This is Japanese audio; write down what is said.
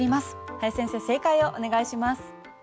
林先生、正解をお願いします。